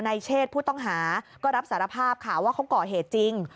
เชศผู้ต้องหาก็รับสารภาพค่ะว่าเขาก่อเหตุจริง